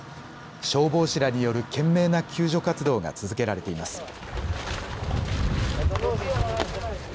消防士らによる懸命な救助活動が続けられています。